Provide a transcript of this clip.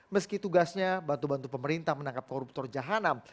meski tugasnya bantu bantu pemerintah menangkap koruptor jahanam